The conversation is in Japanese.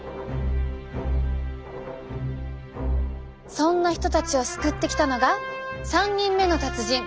そんな人たちを救ってきたのが３人目の達人！